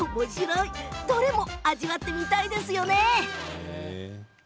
どれも味わってみたいですね。